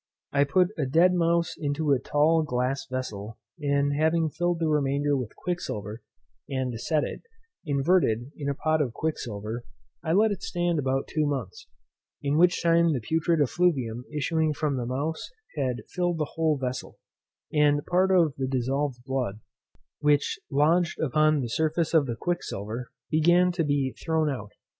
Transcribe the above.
I put a dead mouse into a tall glass vessel, and having filled the remainder with quicksilver, and set it, inverted, in a pot of quicksilver, I let it stand about two months, in which time the putrid effluvium issuing from the mouse had filled the whole vessel, and part of the dissolved blood, which lodged upon the surface of the quicksilver, began to be thrown out.